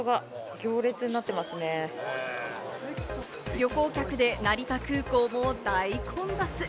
旅行客で成田空港も大混雑。